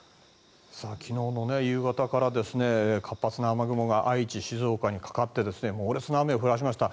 昨日の夕方から活発な雨雲が愛知、静岡にかかって猛烈な雨を降らせました。